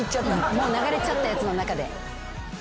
もう流れちゃったやつの中で。